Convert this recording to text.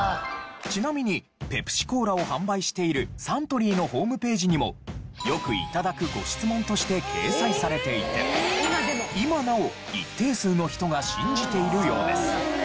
ちなみにペプシコーラを販売しているサントリーのホームページにもよく頂くご質問として掲載されていて今なお一定数の人が信じているようです。